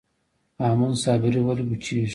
هامون صابري ولې وچیږي؟